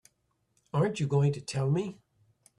Aren't you going to tell me?